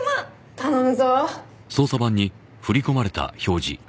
頼むぞー！